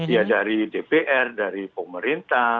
ya dari dpr dari pemerintah